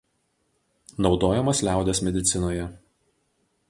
Naudojamas liaudies medicinoje.